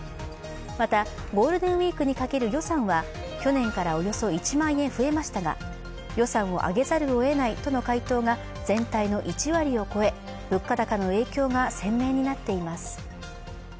また、ゴールデンウイークにかける予算は去年からおよそ１万円増えましたが予算を上げざるを得ないとの回答が、全体の１割を超え物価高の影響が鮮明になっています。